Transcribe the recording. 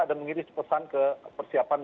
mengiris pesan ke persiapan